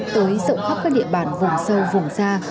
tới rộng khắp các địa bàn vùng sâu vùng xa